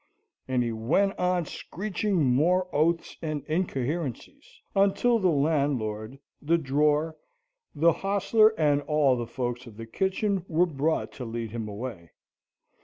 And he went on screeching more oaths and incoherencies, until the landlord, the drawer, the hostler, and all the folks of the kitchen were brought to lead him away.